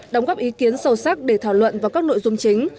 đóng góp ý kiến sâu sắc để thảo luận vào các nội dung chính